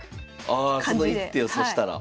ああその一手を指したら？